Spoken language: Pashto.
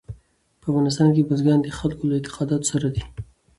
په افغانستان کې بزګان د خلکو له اعتقاداتو سره دي.